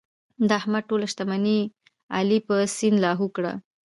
د احمد ټوله شتمني علي په سیند لاهو کړله.